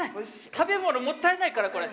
食べ物もったいないからこれ。